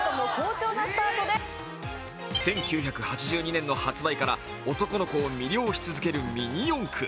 １９８２年の発売から男の子を魅了し続けるミニ四駆。